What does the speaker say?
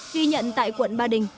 ghi nhận tại quận ba đình